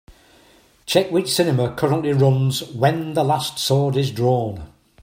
Check which cinema currently runs When the Last Sword is Drawn.